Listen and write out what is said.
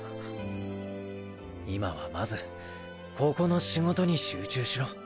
今はまずここの仕事に集中しろ。